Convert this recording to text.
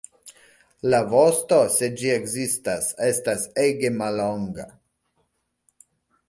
La vosto, se ĝi ekzistas, estas ege mallonga.